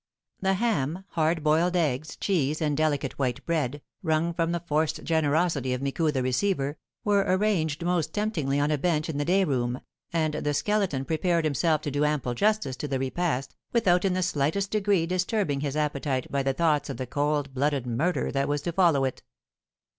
The ham, hard boiled eggs, cheese, and delicate white bread, wrung from the forced generosity of Micou the receiver, were arranged most temptingly on a bench in the day room, and the Skeleton prepared himself to do ample justice to the repast, without in the slightest degree disturbing his appetite by the thoughts of the cold blooded murder that was to follow it.